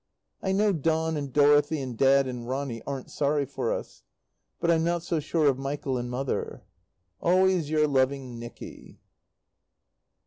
I know Don and Dorothy and Dad and Ronny aren't sorry for us. But I'm not so sure of Michael and Mother. Always your loving, NICKY.